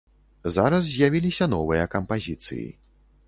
Зараз з'явіліся новыя кампазіцыі.